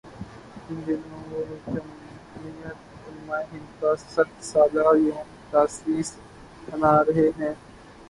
ان دنوں وہ جمعیت علمائے ہندکا صد سالہ یوم تاسیس منا رہے ہیں۔